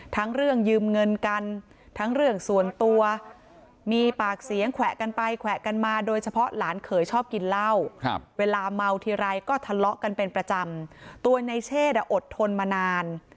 ทั้งเรื่องยืมเงินกันทั้งเรื่องส่วนตัวมีปากเสียงแขวะกันไปแขวะกันมาโดยเฉพาะหลานเขยชอบกินเหล้าเวลาเมาทีไรก็ทะเลาะกันเป็นประจำตัวในเชศอดทนมานาน